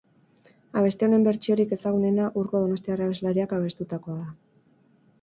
Abesti honen bertsiorik ezagunena Urko donostiar abeslariak abestutakoa da.